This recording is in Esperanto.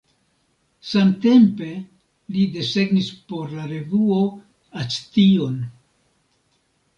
Samtempe li desegnis por la revuo "Action".